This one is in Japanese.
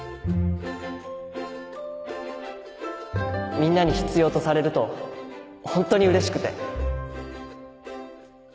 みんなに必要とされるとホントにうれしくて。